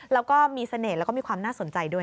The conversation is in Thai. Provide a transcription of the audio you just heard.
แล้วก็มีเสน่ห์แล้วก็มีความน่าสนใจด้วย